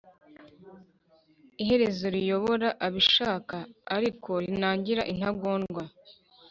iherezo riyobora abishaka ariko rinangira intagondwa